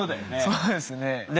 そうですね。